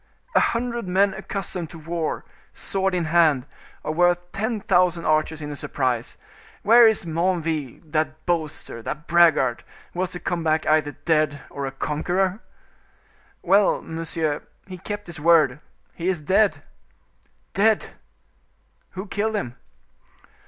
"A hundred men accustomed to war, sword in hand, are worth ten thousand archers in a surprise. Where is Menneville, that boaster, that braggart, who was to come back either dead or a conqueror?" "Well, monsieur, he kept his word. He is dead!" "Dead! Who killed him?"